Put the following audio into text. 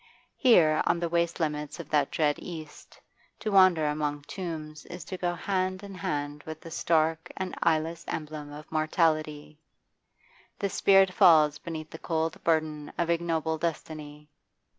Here on the waste limits of that dread East, to wander among tombs is to go hand in hand with the stark and eyeless emblem of mortality; the spirit falls beneath the cold burden of ignoble destiny.